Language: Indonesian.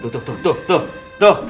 tuh tuh tuh tuh